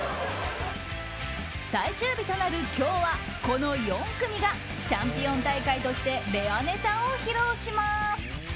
最終日となる今日はこの４組がチャンピオン大会としてレアネタを披露します。